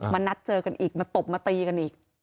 นัดเจอกันอีกมาตบมาตีกันอีก